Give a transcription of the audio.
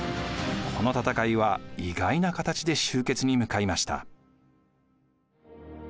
この戦いは意外な形で終結に向かいました。